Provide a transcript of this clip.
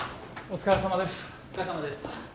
お疲れさまです